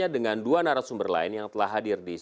jangan lupa mau kae pencet tanda bel